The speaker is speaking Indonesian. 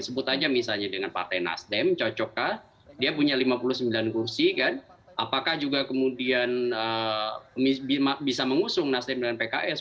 sebut aja misalnya dengan partai nasdem cocokkah dia punya lima puluh sembilan kursi kan apakah juga kemudian bisa mengusung nasdem dengan pks